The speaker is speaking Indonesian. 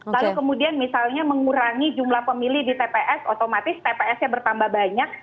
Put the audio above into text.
lalu kemudian misalnya mengurangi jumlah pemilih di tps otomatis tps nya bertambah banyak